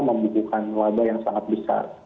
membutuhkan laba yang sangat besar